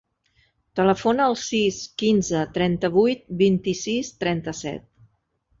Telefona al sis, quinze, trenta-vuit, vint-i-sis, trenta-set.